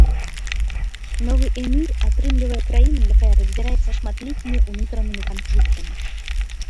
Новы эмір атрымлівае краіну, якая раздзіраецца шматлікімі ўнутранымі канфліктамі.